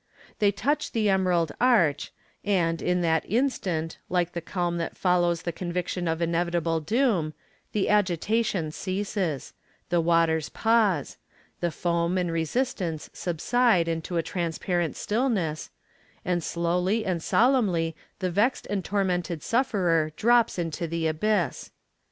They touch the emerald arch, and in that instant, like the calm that follows the conviction of inevitable doom, the agitation ceases,—the waters pause,—the foam and resistance subside into a transparent stillness,—and slowly and solemnly the vexed and tormented sufferer drops into the abyss.